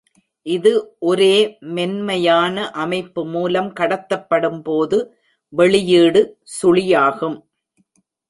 இது ஒரே மென்மையான அமைப்பு மூலம் கடத்தப்படும்போது, வெளியீடு சுழியாகும்.